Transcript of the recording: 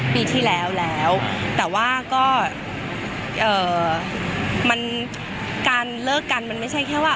ปีที่แล้วแล้วแต่ว่าก็เอ่อมันการเลิกกันมันไม่ใช่แค่ว่า